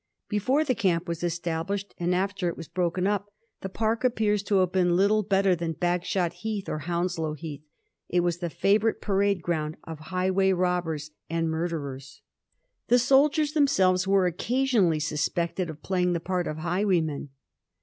Before the camp was established, and after it was broken up, Digiti zed by Google 160 A inSTORY OF THE FOUR GEORGES. ch. vrr. the Park appears to have been little better than Bagshot Heath or Hounalow Heath : it was the favourite parade ground of highway robbers and murderers. The soldiers themselves were occasion ally suspected of playing the part of highwaymen.